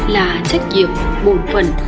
là trách nhiệm bổn phận